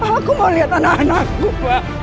aku mau lihat anak anakku pak